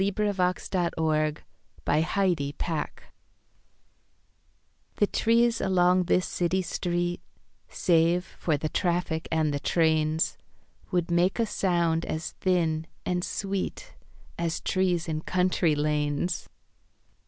Edna St. Vincent Millay City Trees THE trees along this city street Save for the traffic and the trains, Would make a sound as thin and sweet As trees in country lanes.